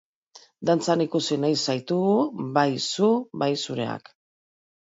Dantzan ikusi nahi zaitugu, bai zu bai zureak!